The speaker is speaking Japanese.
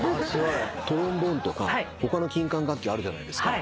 トロンボーンとか他の金管楽器あるじゃないですか。